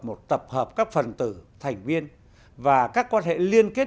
một tập hợp các phần tử thành viên và các quan hệ liên kết